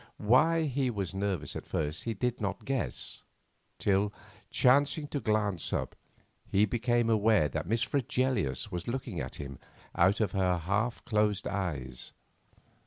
Why he was nervous at first he did not guess; till, chancing to glance up, he became aware that Miss Fregelius was looking at him out of her half closed eyes.